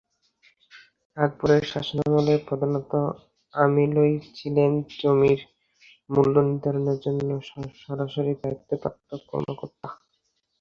আকবর-এর শাসনামলে প্রধানত আমিলই ছিলেন জমির মূল্যনির্ধারণের জন্য সরাসরি দায়িত্বপ্রাপ্ত কর্মকর্তা।